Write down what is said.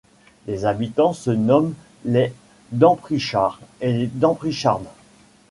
Les habitants se nomment les Damprichards et Damprichardes.